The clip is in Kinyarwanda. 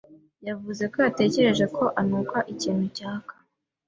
yavuze ko yatekereje ko anuka ikintu cyaka.